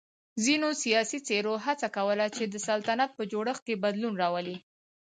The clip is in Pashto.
ځینو سیاسی څېرو هڅه کوله چې د سلطنت په جوړښت کې بدلون راولي.